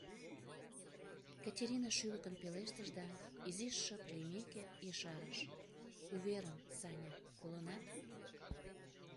— Катерина шӱлыкын пелештыш да изиш шып лиймеке, ешарыш: — уверым, Саня, колынат?